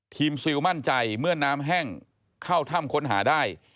ซิลมั่นใจเมื่อน้ำแห้งเข้าถ้ำค้นหาได้